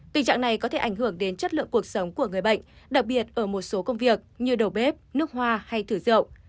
tình trạng này có thể ảnh hưởng đến chất lượng cuộc sống của người bệnh đặc biệt ở một số công việc như đầu bếp nước hoa hay thử rượu